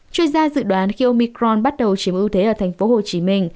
chuyên gia dự đoán khi omicron bắt đầu chiếm ưu thế ở tp hcm